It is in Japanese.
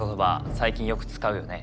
最近よく使うよね。